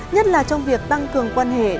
nhất là trong việc tăng cường quan hệ nước nga